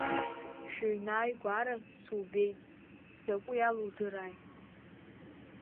Шәыҩны ааигәара субеит, сзакәу иалудырааи?